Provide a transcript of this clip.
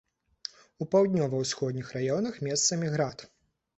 У паўднёва-ўсходніх раёнах месцамі град.